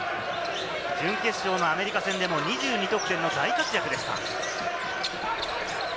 準決勝のアメリカ戦でも２２得点の大活躍でした。